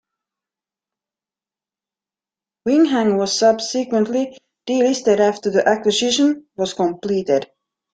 Wing Hang was subsequently delisted after the acquisition was completed.